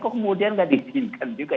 kok kemudian nggak diizinkan juga